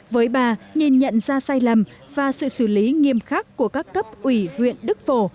với bà nhìn nhận ra sai lầm và sự xử lý nghiêm khắc của các cấp ủy huyện đức phổ